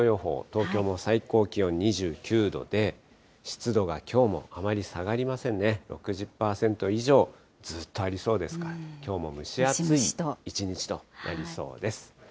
東京も最高気温２９度で、湿度がきょうもあまり下がりませんね、６０％以上、ずっとありそうですから、きょうも蒸し暑い一日となりそうです。